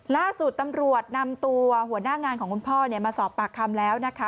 ล่าสุดตำรวจนำตัวหัวหน้างานของคุณพ่อมาสอบปากคำแล้วนะคะ